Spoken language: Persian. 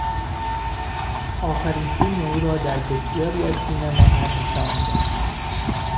آخرین فیلم او را در بسیاری از سینماها نشان میدهند.